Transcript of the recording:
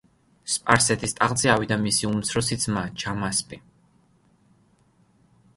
სპარსეთის ტახტზე ავიდა მისი უმცროსი ძმა, ჯამასპი.